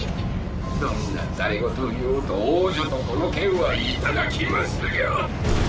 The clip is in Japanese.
どんな戯言を言おうと王女とこの剣は頂きますよ。